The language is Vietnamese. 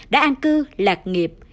đã an cư lạc nghiệp